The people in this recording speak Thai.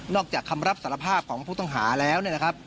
นอกจากคำรับสารภาพของผู้ต้องหาแล้ว